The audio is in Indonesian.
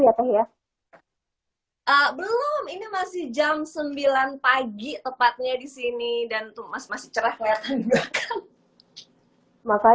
ya teh ya belum ini masih jam sembilan pagi tepatnya di sini dan untuk mas masih cerah lihat makanya